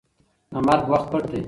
د مرګ وخت پټ دی.